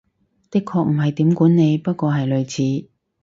的確唔係點管理，不過係類似